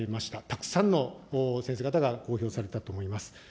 たくさんの先生方が公表されたと思います。